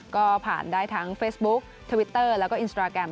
ก็ผ่านได้ทั้งเฟซบุ๊คทวิตเตอร์แล้วก็อินสตราแกรม